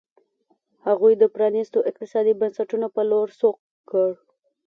هغوی د پرانیستو اقتصادي بنسټونو په لور سوق کړ.